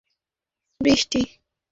বৃষ্টিই তো হয়নি।